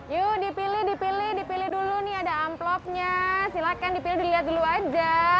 yuk dipilih dipilih dipilih dulu nih ada amplopnya silahkan dipilih dilihat dulu aja